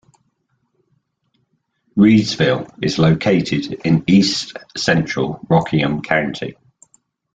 Reidsville is located in east central Rockingham County.